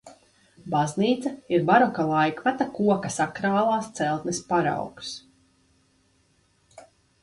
Baznīca ir baroka laikmeta koka sakrālās celtnes paraugs.